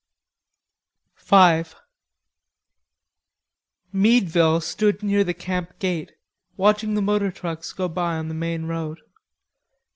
V Meadville stood near the camp gate, watching the motor trucks go by on the main road.